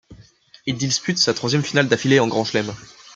Il dispute sa troisième finale d'affilée en Grand Chelem.